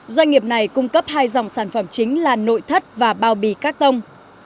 doanh nghiệp này cung cấp hai dòng sản phẩm chính là nội thất và bao bì các tông